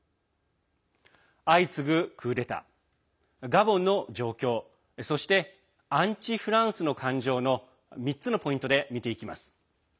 相次ぐクーデター、ガボンの状況そしてアンチ・フランスの感情の３つのポイントで見ていきます。